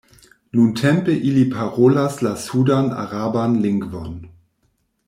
Nuntempe ili parolas la sudan-araban lingvon.